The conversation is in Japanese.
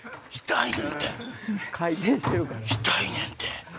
痛いねんって。